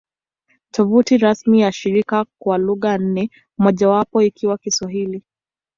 Tovuti rasmi ya shirika kwa lugha nne, mojawapo ikiwa Kiswahili